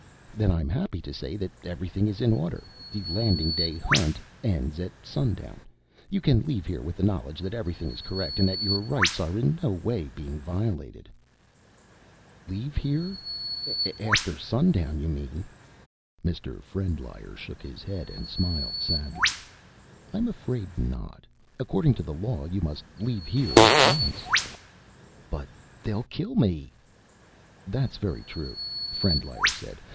"Then I'm happy to say that everything is in order. The Landing Day Hunt ends at sundown. You can leave here with knowledge that everything is correct and that your rights are in no way being violated." "Leave here? After sundown, you mean." Mr. Frendlyer shook his head and smiled sadly. "I'm afraid not. According to the law, you must leave here at once." "But they'll kill me!" "That's very true," Frendlyer said.